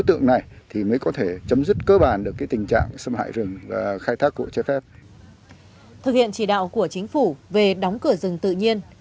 thực hiện chỉ đạo của chính phủ về đóng cửa rừng tự nhiên